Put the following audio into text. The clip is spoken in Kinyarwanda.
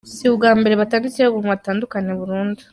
Si ubwa mbere batanze ikirego ngo batandukane burundu.